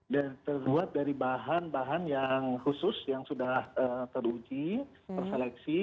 dan terbuat dari bahan bahan yang khusus yang sudah teruji terseleksi